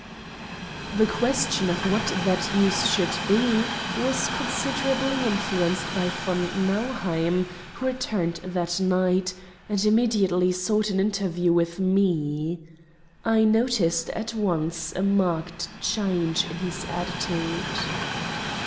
The question of what that use should be was considerably influenced by von Nauheim, who returned that night, and immediately sought an interview with me. I noticed at once a marked change in his attitude.